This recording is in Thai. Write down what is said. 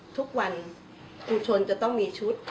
ทุกวันครูชนจะต้องมีชุดอยู่บนเตียง